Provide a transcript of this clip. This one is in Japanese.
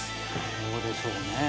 どうでしょうね。